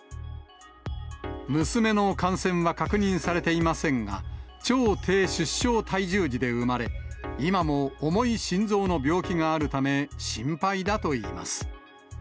娘の感染は確認されていませんが、超低出生体重児で生まれ、今も重い心臓の病気があるため、心配だといいます。